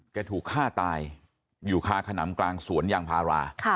ถูกฆ่าตายอยู่คาขนำกลางสวนยางพารา